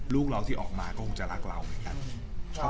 ลูกเราที่ออกมาก็คงจะรักเราเหมือนกัน